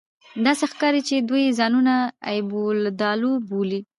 داسې ښکاري چې دوی ځانونه اېبودالو بولي